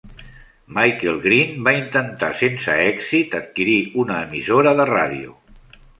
Michael Green va intentar sense èxit adquirir una emissora de ràdio.